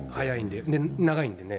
で、長いんでね。